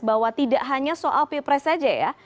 bahwa tidak hanya soal pilpres saja ya